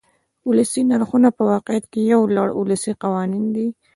ولسي نرخونه په واقعیت کې یو لړ ولسي قوانین دي.